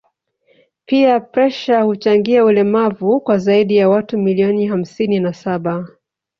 pia presha huchangia ulemavu kwa zaidi ya watu milioni hamsini na saba